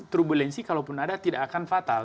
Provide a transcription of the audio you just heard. turbulensi kalau pun ada tidak akan fatal